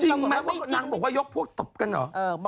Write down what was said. จริงไหมว่านางบอกว่ายกพวกตบกันเหรอ